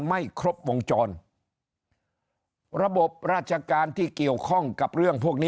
ไม่ครบงกร